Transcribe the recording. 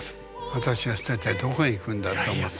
私を捨ててどこへ行くんだと思った。